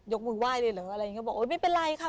กมือไหว้เลยเหรออะไรอย่างนี้บอกโอ๊ยไม่เป็นไรค่ะ